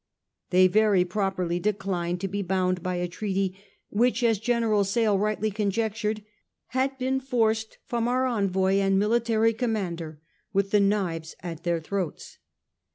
They very properly declined to be bound by a treaty which, as General Sale rightly conjectured, had been 4 forced from our envoy and military commander with the knives at their throats.